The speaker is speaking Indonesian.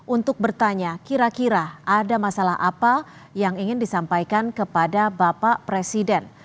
untuk bertanya kira kira ada masalah apa yang ingin disampaikan kepada bapak presiden